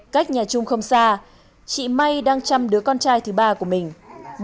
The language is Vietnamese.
cách nhà chung không xa chị may đang chăm đứa con trai thứ ba của mình